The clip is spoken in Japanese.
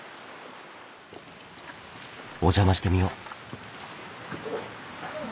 お邪魔してみよう。